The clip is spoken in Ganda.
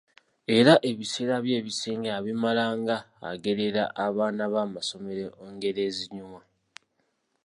Era ebiseera bye ebisinga yabimalanga agerera abaana b'amasomero engero ezinyuma.